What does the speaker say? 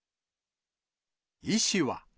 医師は。